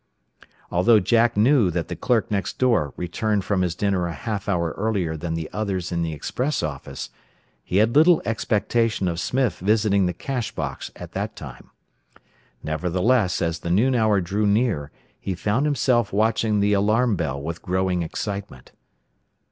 Although Jack knew that the clerk next door returned from his dinner a half hour earlier than the others in the express office, he had little expectation of Smith visiting the cash box at that time. Nevertheless, as the noon hour drew near he found himself watching the alarm bell with growing excitement.